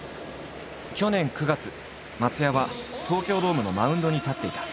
去年９月松也は東京ドームのマウンドに立っていた。